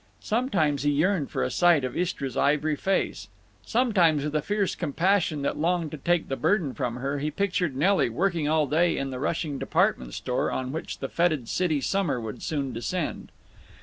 Sometimes he yearned for a sight of Istra's ivory face. Sometimes, with a fierce compassion that longed to take the burden from her, he pictured Nelly working all day in the rushing department store on which the fetid city summer would soon descend.